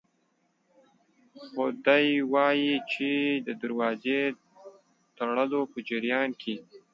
خو دی وايي چې د دروازې د تړلو په جریان کې